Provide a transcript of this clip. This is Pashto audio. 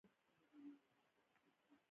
تعلیم نجونو ته د شعر او ادب ذوق ورکوي.